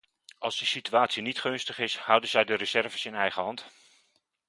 Als de situatie niet gunstig is, houden zij de reserves in eigen hand.